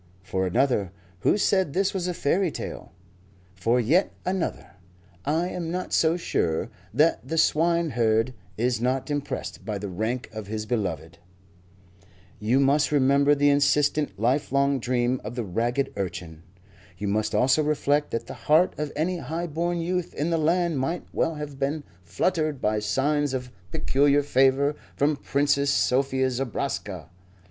For another, who said this was a fairy tale? For yet another, I am not so sure that the swineherd is not impressed by the rank of his beloved. You must remember the insistent, lifelong dream of the ragged urchin. You must also reflect that the heart of any high born youth in the land might well have been fluttered by signs of peculiar favour from Princess Sophie Zobraska.